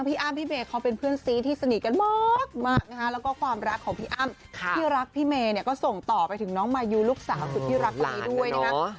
แล้วก็ความรักของพี่อ้ำที่รักพี่เมย์เนี่ยก็ส่งต่อไปถึงน้องมายูลูกสาวสุดที่รักตัวนี้ด้วยนะครับ